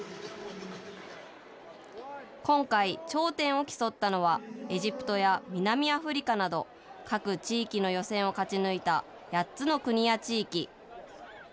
今回、頂点を競ったのは、エジプトや南アフリカなど、各地域の予選を勝ち抜いた８つの国や地域。